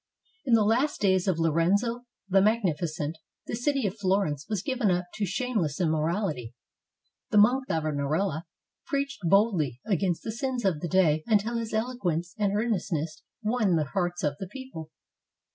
In the last days of Lorenzo the Magnificent, the city of Florence was given up to shameless immorality. The monk Savonarola preached boldly against the sins of the day until his eloquence and earnestness won the hearts of the people.